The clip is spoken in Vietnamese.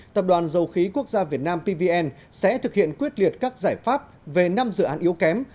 tập đoàn dầu khí quốc gia việt nam pvn sẽ thực hiện quyết liệt các giải pháp về năm dự án yếu kém